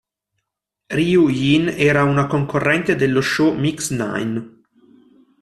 Ryu-jin era una concorrente dello show, "Mix Nine".